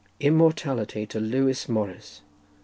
Immortality to Lewis Morris!